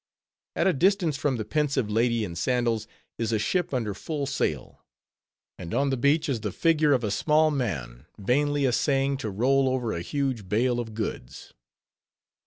At a distance from the pensive lady in sandals, is a ship under full sail; and on the beach is the figure of a small man, vainly essaying to roll over a huge bale of goods.